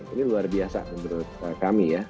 ini luar biasa menurut kami ya